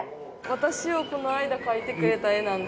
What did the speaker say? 私をこの間描いてくれた絵なんですけど。